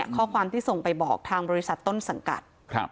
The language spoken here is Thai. ข้อความที่ส่งไปบอกทางบริษัทต้นสังกัด